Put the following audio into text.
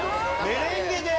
『メレンゲ』で？